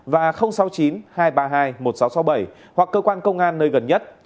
và sáu mươi chín hai trăm ba mươi hai một nghìn sáu trăm sáu mươi bảy hoặc cơ quan công an nơi gần nhất